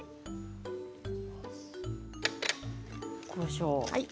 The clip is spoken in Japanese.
こしょう。